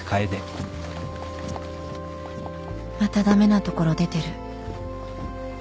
また駄目なところ出てる